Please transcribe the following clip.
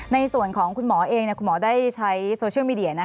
ในส่วนของคุณหมอเองคุณหมอได้ใช้โซเชียลมีเดีย